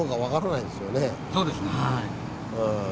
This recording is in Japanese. そうですね。